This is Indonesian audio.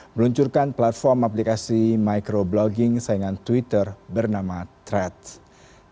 meluncurkan platform aplikasi micro blogging saingan twitter bernama threads